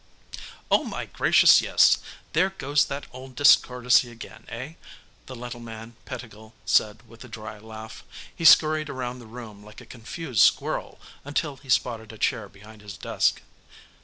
"Oh, my gracious, yes. There goes that old discourtesy again, eh?" the little man, Pettigill, said with a dry laugh. He scurried about the room like a confused squirrel until he spotted a chair behind his desk.